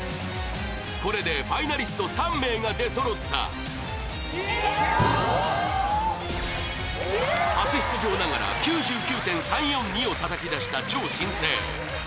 これでファイナリスト３名が出そろった初出場ながら９９．３４２を叩き出した超新星。